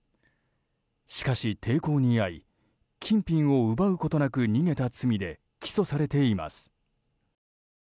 しかし抵抗に遭い金品を奪うことなく逃げた罪で起訴されています。